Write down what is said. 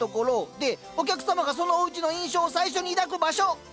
でお客様がそのおうちの印象を最初に抱く場所。